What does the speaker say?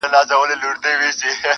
څونه ښکلی معلومېږي قاسم یاره زولنو کي.